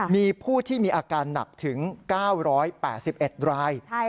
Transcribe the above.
มีผู้ที่มีอาการหนักถึง๙๘๑ราย